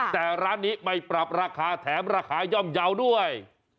แต่ร้านนี้ไม่ปรับราคาแถมราคาย่อมเยาว์ด้วย